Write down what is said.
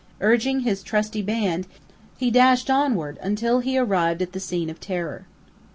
Urging his trusty band, he dashed onward until he arrived at the scene of terror.